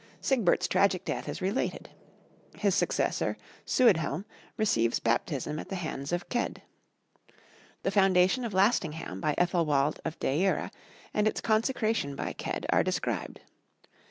Sigbert's tragic death is related. His successor, Suidhelm, receives baptism at the hands of Cedd. The foundation of Lastingham by Ethelwald of Deira and its consecration by Cedd are described.